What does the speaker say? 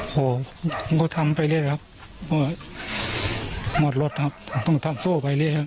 โอ้โหผมก็ทำไปเลยครับหมดรถครับต้องทำสู้ไปเลยครับ